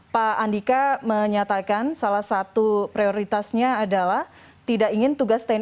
pak andika menyatakan salah satu prioritasnya adalah tidak ingin tugas tni